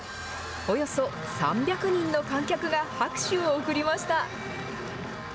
およそ３００人の観客が拍手を送りました。